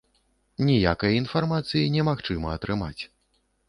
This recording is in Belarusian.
Ніякай інфармацыі немагчыма атрымаць.